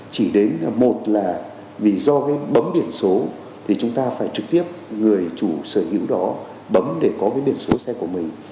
chỉ đến một là vì do cái bấm biển số thì chúng ta phải trực tiếp người chủ sở hữu đó bấm để có cái biển số xe của mình